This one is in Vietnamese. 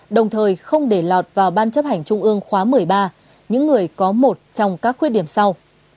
đồng thời không để lọt vào ban chấp hành trung ương khóa một mươi ba những người có một trong các khuyết điểm sau